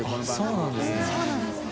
そうなんですね。